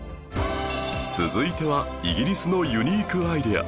続いてはイギリスのユニークアイデア